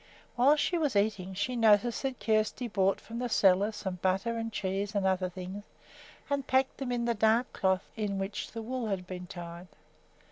While she was eating she noticed that Kjersti brought from the cellar some butter and cheese and other things and packed them in the dark cloth in which the wool had been tied.